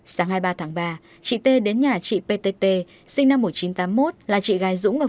sáng hai mươi ba tháng ba chị tây đến nhà chị ptt sinh năm một nghìn chín trăm tám mươi một là chị gái dũ ngập